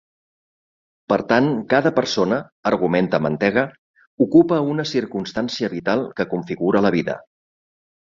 Per tant, cada persona, argumenta Mantega, ocupa una circumstància vital que configura la vida.